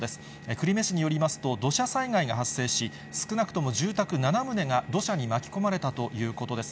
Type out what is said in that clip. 久留米市によりますと、土砂災害が発生し、少なくとも住宅７棟が土砂に巻き込まれたということです。